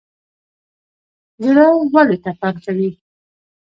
زړه ولې ټکان کوي؟